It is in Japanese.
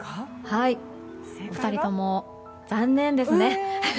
お二人とも残念ですね。